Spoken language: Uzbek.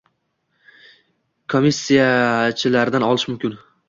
komissijalaridan olish mumkin